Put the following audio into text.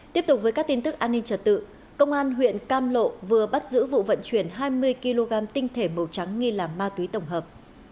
tiếp tục với các tin tức an ninh trật tự công an huyện cam lộ vừa bắt giữ vụ vận chuyển hai mươi kg tinh thể màu trắng nghi là ma túy tổng hợp